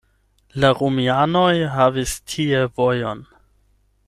La romianoj havis tie vojon.